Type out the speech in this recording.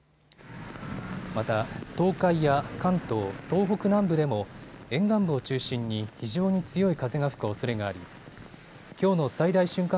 また、東海や関東、東北南部でも沿岸部を中心に非常に強い風が吹くおそれがありきょうの最大瞬間